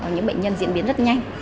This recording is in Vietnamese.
những bệnh nhân diễn biến rất nhanh